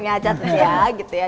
iya catet ya gitu ya